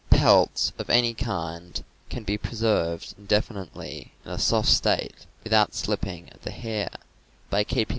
Pelts of any kind can be preserved indefinitely in a soft state, without any slipping of the hair, by keeping p